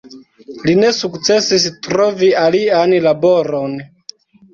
Li ne sukcesis trovi alian laboron.